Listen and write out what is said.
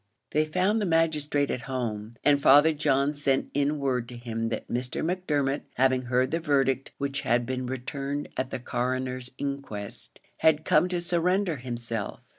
They found the magistrate at home, and Father John sent in word to him that Mr. Macdermot having heard the verdict which had been returned at the Coroner's inquest, had come to surrender himself.